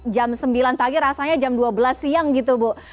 jam sembilan pagi rasanya jam dua belas siang gitu bu